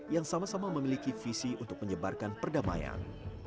yang sama sama memiliki visi untuk menyebarkan perdamaian